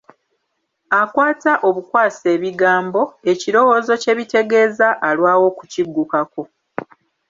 Akwata obukwasi ebigambo, ekirowoozo kye bitegeza, alwawo okukiggukako.